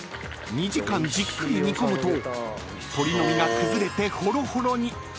［２時間じっくり煮込むと鶏の身が崩れてホロホロに］